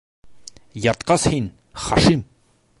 - Йыртҡыс һин, Хашим!